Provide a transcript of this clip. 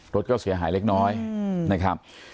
รถก็เสียหายเล็กน้อยนะครับ